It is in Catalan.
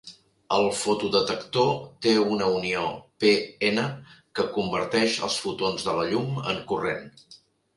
El fotodetector té una unió p-n que converteix els fotons de la llum en corrent.